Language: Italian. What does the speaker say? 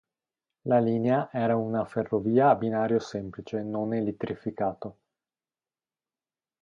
La linea era una ferrovia a binario semplice non elettrificato.